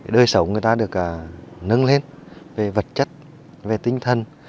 đời sống người ta được nâng lên về vật chất về tinh thần